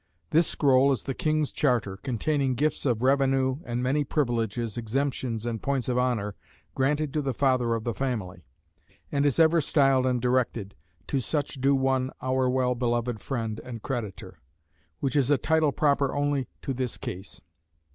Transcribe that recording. This scroll is the king's charter, containing gifts of revenew, and many privileges, exemptions, and points of honour, granted to the Father of the Family; and is ever styled and directed, To such do one our well beloved friend and creditor: which is a title proper only to this case.